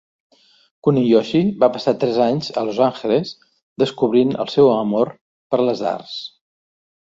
Kuniyoshi va passar tres anys a Los Angeles, descobrint el seu amor per les arts.